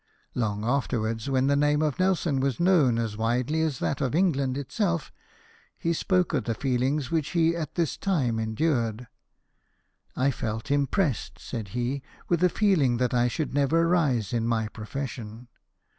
Long afterwards, when the name of Nelson was known as widely as that of England itself, he spoke of the feelings which he at this time endured. " I felt impressed," said he, " with a feeling that I should never rise in my profession.